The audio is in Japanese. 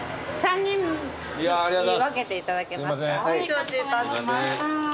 承知いたしました。